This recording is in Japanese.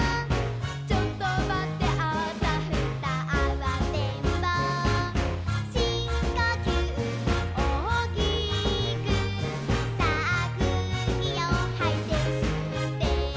「ちょっとまってあたふたあわてんぼう」「しんこきゅうおおきくさあくうきをはいてすって」